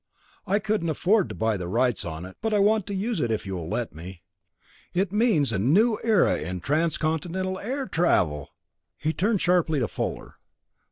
I couldn't afford to buy the rights on it, but I want to use it if you'll let me. It means a new era in transcontinental air travel!" He turned sharply to Fuller.